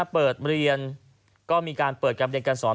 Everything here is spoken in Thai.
เปิดเรียนก็มีการเปิดการเรียนการสอน